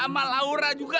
sama laura juga